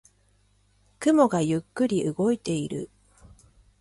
雲がゆっくり動いている。